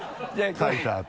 書いたあと。